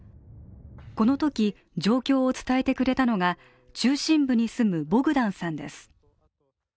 このとき状況を伝えてくれたのが、中心部に住むボグダンさんです。